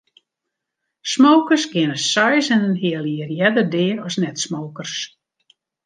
Smokers geane seis en in heal jier earder dea as net-smokers.